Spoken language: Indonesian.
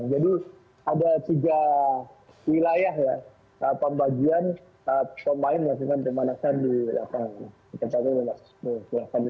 jadi ada tiga wilayah ya pembagian pemain lansikan pemanasan di lantai